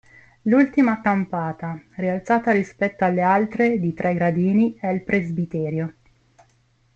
L'ultima campata, rialzata rispetto alle altre di tre gradini, è il presbiterio.